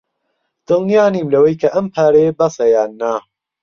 دڵنیا نیم لەوەی کە ئەم پارەیە بەسە یان نا.